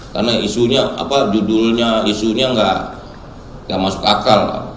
karena isunya judulnya isunya nggak masuk akal